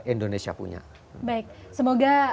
indonesia punya baik semoga